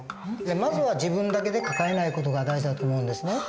まずは自分だけで抱えない事が大事だと思うんですね。